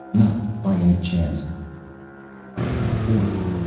Not, by any chance ?" "Ivan the Fourth.